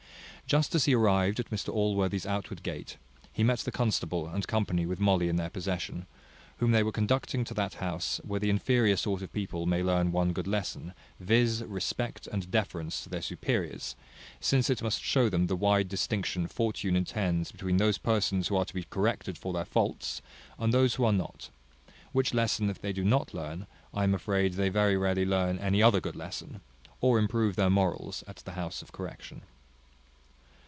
Just as he arrived at Mr Allworthy's outward gate, he met the constable and company with Molly in their possession, whom they were conducting to that house where the inferior sort of people may learn one good lesson, viz., respect and deference to their superiors; since it must show them the wide distinction Fortune intends between those persons who are to be corrected for their faults, and those who are not; which lesson if they do not learn, I am afraid they very rarely learn any other good lesson, or improve their morals, at the house of correction.